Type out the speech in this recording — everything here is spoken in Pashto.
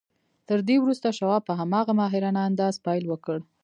تر دې وروسته شواب په هماغه ماهرانه انداز پیل وکړ